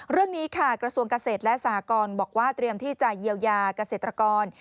เรื่องนี้ค่ะกระทรวงเกษตรและสหกรบอกว่าเตรียมที่จะเยียวยาเกษตรกร